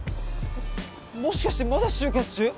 もしかしてまだ就活中？